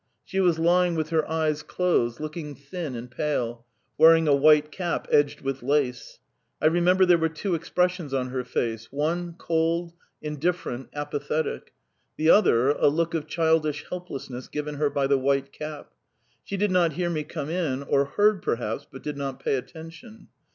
She was lying with her eyes closed, looking thin and pale, wearing a white cap edged with lace. I remember there were two expressions on her face: one cold, indifferent, apathetic; the other a look of childish helplessness given her by the white cap. She did not hear me come in, or heard, perhaps, but did not pay attention.